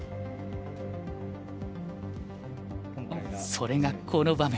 それがこの場面。